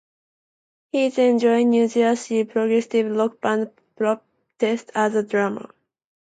He then joined New Jersey progressive rock band Prophet as a drummer.